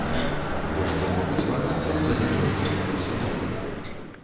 Кошты могуць вагацца ў залежнасці ад курса долара.